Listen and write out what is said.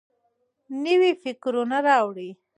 نوي فکرونه راوړئ.